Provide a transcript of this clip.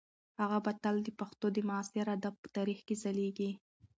هغه به تل د پښتو د معاصر ادب په تاریخ کې ځلیږي.